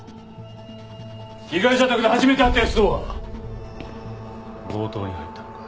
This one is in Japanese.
被害者宅で初めて会った奴と強盗に入ったのか？